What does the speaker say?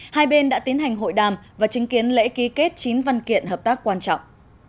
hai bên đã tiến hành hội đàm và chứng kiến lễ ký kết chín văn kiện hợp tác quan trọng